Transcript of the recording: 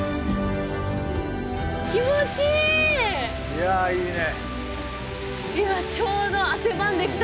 いやいいね。